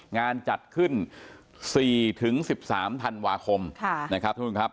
งานจัดขึ้นสี่ถึงสิบสามธันวาคมนะครับทุกคนครับ